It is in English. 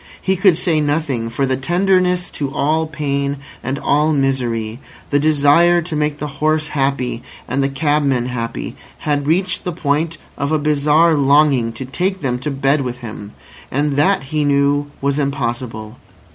He could say nothing; for the tenderness to all pain and all misery, the desire to make the horse happy and the cabman happy, had reached the point of a bizarre longing to take them to bed with him. And that, he knew, was impossible.